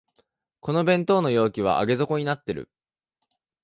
この弁当の容器は上げ底になってる